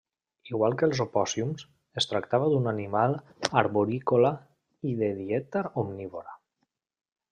Igual que els opòssums, es tractava d'un animal arborícola i de dieta omnívora.